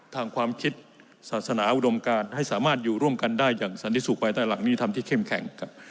ความคิดศาสนาอุดมการให้สามารถอยู่ร่วมกันได้อย่างสันติสุขภายใต้หลักนิธรรมที่เข้มแข็ง